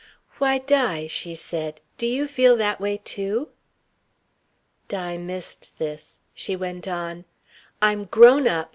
"Why, Di," she said, "do you feel that way too?" Di missed this. She went on: "I'm grown up.